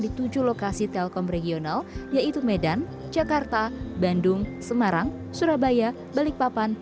di tujuh lokasi telkom regional yaitu medan jakarta bandung semarang surabaya balikpapan